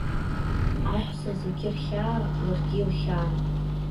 Аҳәса зегьы рхьаа ларгьы илхьаан.